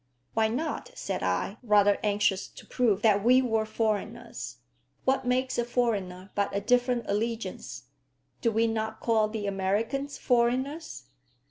"Why not?" said I, rather anxious to prove that we were foreigners. "What makes a foreigner but a different allegiance? Do we not call the Americans foreigners?"